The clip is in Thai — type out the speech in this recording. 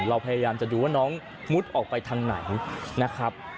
เราพยายามจะดูว่าน้องมุดออกไปทางไหนนะครับ